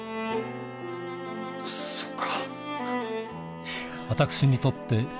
そっか。